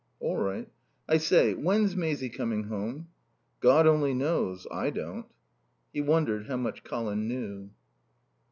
"All right. I say, when's Maisie coming home?" "God only knows. I don't." He wondered how much Colin knew.